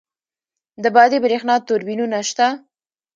د بادی بریښنا توربینونه شته؟